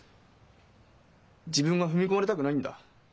自分が踏み込まれたくないんだ。